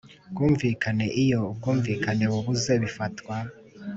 bwumvikane Iyo ubwumvikane bubuze bifatwa